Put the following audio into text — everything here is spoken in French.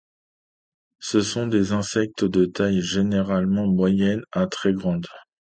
Ce sont des insectes de taille généralement moyenne à très grande.